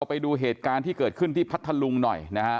ไปดูเหตุการณ์ที่เกิดขึ้นที่พัทธลุงหน่อยนะฮะ